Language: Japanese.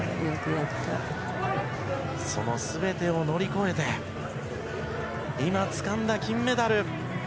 その全てを乗り越えて今、つかんだ金メダル。